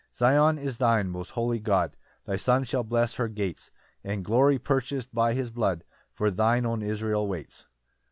6 Zion is thine, most holy God; Thy Son shall bless her gates; And glory purchas'd by his blood For thine own Israel waits.